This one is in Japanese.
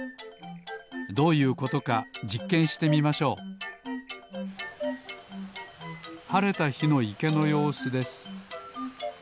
どういうことかじっけんしてみましょうはれたひのいけのようすです